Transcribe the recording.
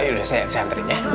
ya udah saya hentri ya